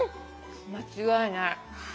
間違いない。